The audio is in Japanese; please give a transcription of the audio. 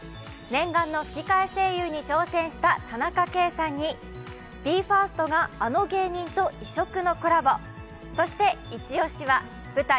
念願の吹き替え声優に挑戦した田中圭さんにＢＥ：ＦＩＲＳＴあの芸人と異色のコラボそしてイチ押しは舞台